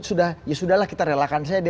sudah ya sudah lah kita relakan saja